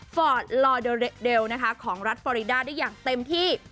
ฟอร์ตลอเดอร์เดลนะคะของรัฐฟอริดาได้อย่างเต็มที่